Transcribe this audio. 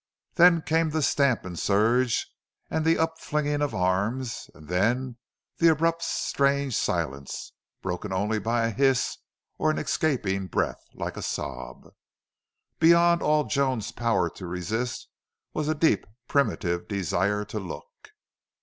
Then came the stamp and surge, and then the upflinging of arms, and then the abrupt strange silence, broken only by a hiss or an escaping breath, like a sob. Beyond all Joan's power to resist was a deep, primitive desire to look.